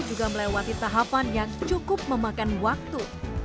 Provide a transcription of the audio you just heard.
juga melewati tahapan yang cukup memakan waktu